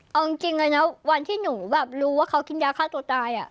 เอาจริงเลยนะวันที่หนูแบบรู้ว่าเขากินยาฆ่าตัวตาย